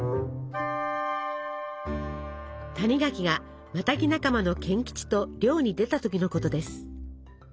谷垣がマタギ仲間の賢吉と猟に出た時のことです。